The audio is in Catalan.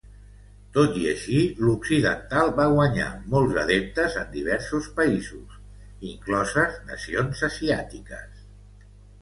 Tot i així l'occidental va guanyar molts adeptes en diversos països, incloses nacions asiàtiques.